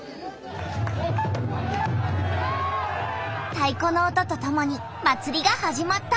太この音とともに祭りが始まった！